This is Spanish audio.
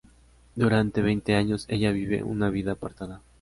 Durante veinte años ella vive una vida apartada.